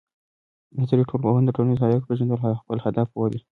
نظري ټولنپوهنه د ټولنیزو حقایقو پېژندل خپل هدف بولي.